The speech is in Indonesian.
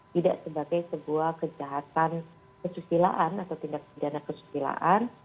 tidak sebagai sebuah kejahatan kesusilaan atau tindak pidana kesusilaan